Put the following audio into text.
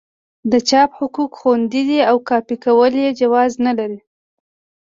د چاپ حقوق خوندي دي او کاپي کول یې جواز نه لري.